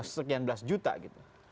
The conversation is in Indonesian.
sekian belas juta gitu